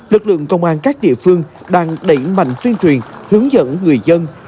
lực lượng công an các địa phương đang đẩy mạnh tuyên truyền hướng dẫn người dân